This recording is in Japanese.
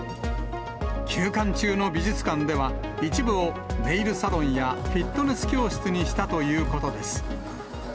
休館中の美術館では、一部をネイルサロンやフィットネス教室にしたということです。